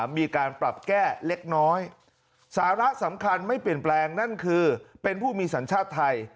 มีการปรับแก้เล็กน้อยสาระสำคัญไม่เปลี่ยนแปลงนั่นคือเป็นผู้มีสัญชาติไทย